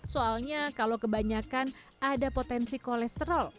soalnya kalau kebanyakan ada potensi kolesterol